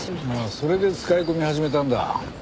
それで使い込み始めたんだ。